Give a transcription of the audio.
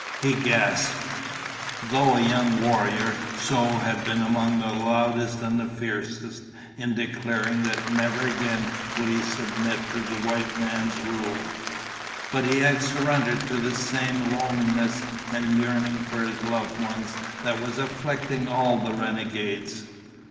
He gasped. Though a young warrior, Tzoe had been among the loudest and fiercest in declaring that never again would he submit to the white man's rule. But he had surrendered to the same loneliness and yearning for his loved ones that was afflicting all the renegades.